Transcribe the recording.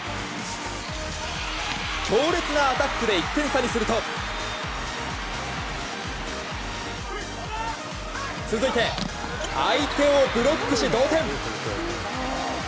強烈なアタックで１点差にすると続いて相手をブロックし、同点！